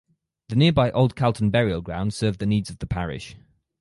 The nearby Old Calton Burial Ground served the needs of the parish.